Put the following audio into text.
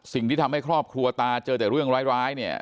สิ่งที่ทำให้ครอบครัวตาเจอแต่เรื่องร้ายเนี่ย